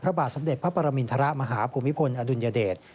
พระบาทสมเด็จพระปรมินทรมาฮภูมิพลอดุลยเดช